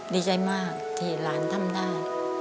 ดีใจมากที่หลานทำได้